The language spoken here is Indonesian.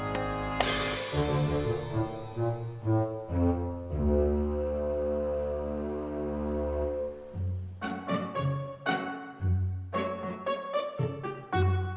pertama kali aku lihat